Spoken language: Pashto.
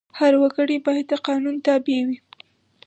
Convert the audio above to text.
هر وګړی باید د قانون تابع وي.